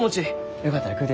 よかったら食うてや。